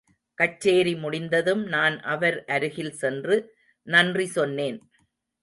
கச்சேரி முடிந்ததும் நான் அவர் அருகில் சென்று நன்றி சொன்னேன்.